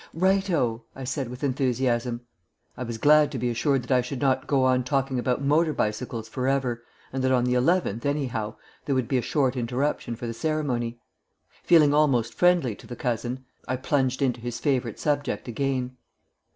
"Right o," I said with enthusiasm. I was glad to be assured that I should not go on talking about motor bicycles for ever, and that on the eleventh, anyhow, there would be a short interruption for the ceremony. Feeling almost friendly to the cousin, I plunged into his favourite subject again.